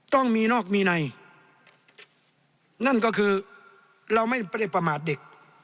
ต้องมีนอกมีในนั่นก็คือเราไม่ได้ประมาทเด็ก